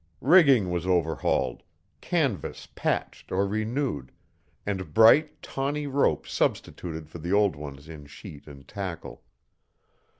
Rigging was overhauled, canvas patched or renewed, and bright, tawny ropes substituted for the old ones in sheet and tackle.